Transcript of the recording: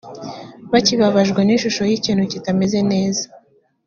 bakibabajwe n’ishusho y’ikintu kitameze neza